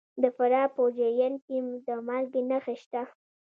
د فراه په جوین کې د مالګې نښې شته.